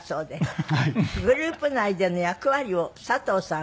グループ内での役割を佐藤さんは。